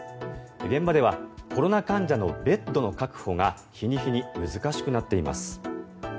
現場ではコロナ患者のベッドの確保が日に日に難しくなっています。